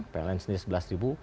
pln sendiri sebelas ribu